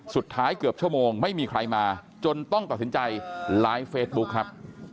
เกือบชั่วโมงไม่มีใครมาจนต้องตัดสินใจไลฟ์เฟซบุ๊คครับ